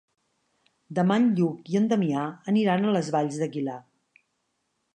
Demà en Lluc i en Damià aniran a les Valls d'Aguilar.